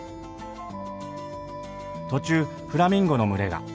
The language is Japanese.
途中フラミンゴの群れが。